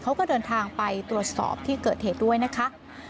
เขาก็เดินทางไปตรวจสอบที่เกิดเหตุด้วยนะคะ